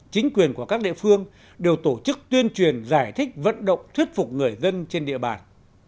chính quyền của các địa phương đều tổ chức tuyên truyền giải thích vận động thuyết phục người dân trên địa bàn